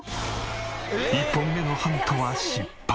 １本目のハントは失敗。